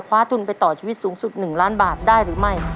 ให้ราฟรุนไปต่อชีวิตธรรมสุด๑ล้านบาทได้หรือไม่